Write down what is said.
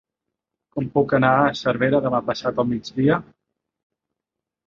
Com puc anar a Cervera demà passat al migdia?